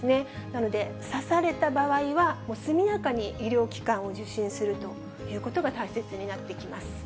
なので、刺された場合は速やかに医療機関を受診するということが大切になってきます。